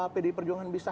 pd perjuangan bisa